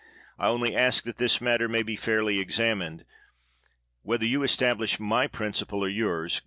I only ask that this matter may be fairly examined. Whetlier you establish my principle or yours.